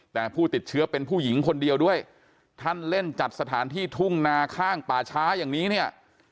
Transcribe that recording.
แต่ผู้ติดเชื้อเป็นผู้หญิงคนเดียวด้วยท่านเล่นจัดสถานที่ทุ่งนาข้างป่าช้าอย่างนี้เนี่ย